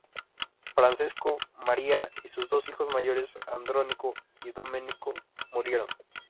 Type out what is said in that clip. Francesco, María y sus dos hijos mayores, Andrónico y Domenico murieron.